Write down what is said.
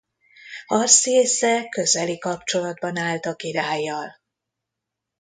Harsziésze közeli kapcsolatban állt a királlyal.